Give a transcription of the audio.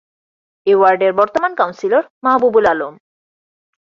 এ ওয়ার্ডের বর্তমান কাউন্সিলর মাহবুবুল আলম।